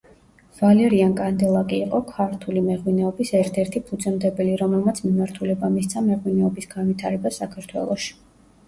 ვალერიან კანდელაკი იყო ქართული მეღვინეობის ერთ-ერთი ფუძემდებელი, რომელმაც მიმართულება მისცა მეღვინეობის განვითარებას საქართველოში.